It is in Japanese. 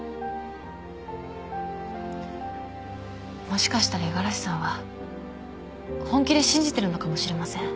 もしかしたら五十嵐さんは本気で信じてるのかもしれません。